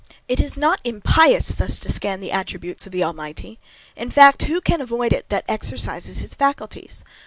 It is not impious thus to scan the attributes of the Almighty: in fact, who can avoid it that exercises his faculties?